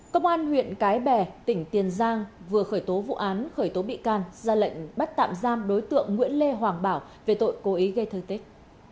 công an huyện cái bè tỉnh tiền giang vừa khởi tố vụ án khởi tố bị can ra lệnh bắt tạm giam đối tượng nguyễn lê hoàng bảo về tội cố ý gây thương tích